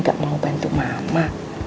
gak mau bantu mama